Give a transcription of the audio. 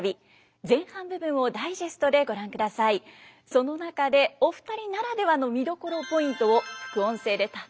その中でお二人ならではの見どころポイントを副音声でたっぷりと語っていただきます。